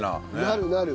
なるなる。